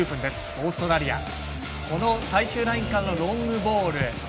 オーストラリア、最終ラインのロングボール。